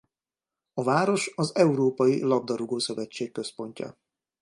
A város az Európai Labdarúgó-szövetség központja.